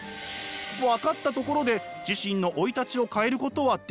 わかったところで自身の生い立ちを変えることはできない。